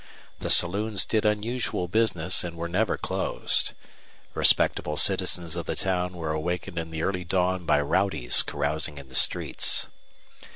The saloons did unusual business and were never closed. Respectable citizens of the town were awakened in the early dawn by rowdies carousing in the streets.